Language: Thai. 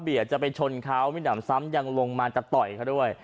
เบียจะไปชนเขามิดามซ้ำยังลงมาจะต่อยเขาด้วย